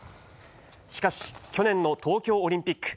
しかし、去年の東京オリンピック。